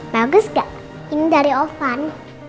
bagus gak ini dari oven